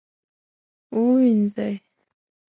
ووینځئ